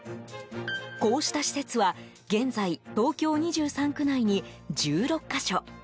こうした施設は現在、東京２３区内に１６か所。